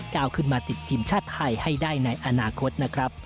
ก้าวขึ้นมาติดทีมชาติไทยให้ได้ในอนาคตนะครับ